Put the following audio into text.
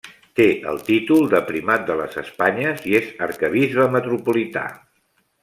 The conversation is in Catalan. Té el títol de Primat de les Espanyes i és Arquebisbe Metropolità.